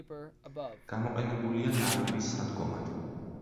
გამოყენებულია ნავების სადგომად.